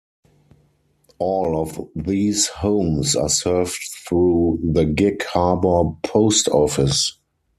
All of these homes are served through the Gig Harbor post office.